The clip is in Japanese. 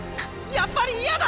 やっぱり嫌だ！